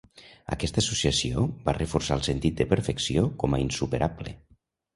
Aquesta associació va reforçar el sentit de perfecció com a insuperable.